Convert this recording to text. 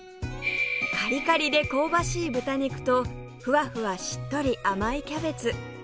カリカリで香ばしい豚肉とふわふわしっとり甘いキャベツ